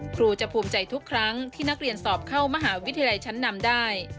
ครูจะภูมิใจทุกครั้งที่นักเรียนสอบเข้ามหาวิทยาลัยชั้นนำได้